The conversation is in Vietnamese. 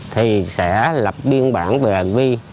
thì sẽ lập biên bản về hành vi